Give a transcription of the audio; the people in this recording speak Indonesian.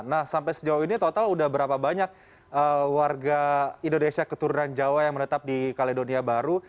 nah sampai sejauh ini total sudah berapa banyak warga indonesia keturunan jawa yang menetap di kaledonia baru